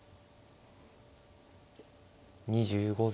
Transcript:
２５秒。